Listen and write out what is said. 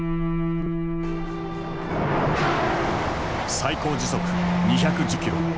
最高時速２１０キロ。